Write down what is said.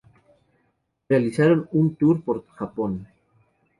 Realizaron un tour por Japón.